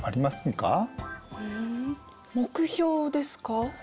ん目標ですか？